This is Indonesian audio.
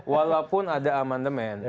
walaupun ada amandemen